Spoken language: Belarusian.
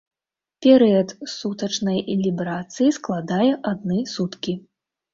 Перыяд сутачнай лібрацыі складае адны суткі.